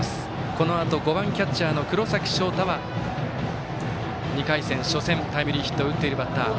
このあと５番キャッチャーの黒崎翔太は２回戦、初戦タイムリーヒットを打っているバッター。